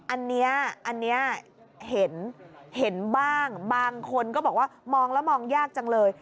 อันนี้เห็นบ้างบางคนก็บอกว่ามองแล้วมองยากจังเลย